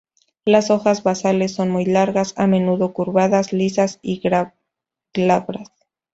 Las hojas basales son muy largas, a menudo curvadas, lisas y glabras.